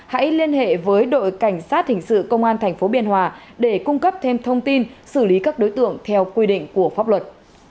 hãy liên hệ với đội cảnh sát hình sự công an tp biên hòa để cung cấp thêm thông tin xử lý các đối tượng theo quy định của pháp luật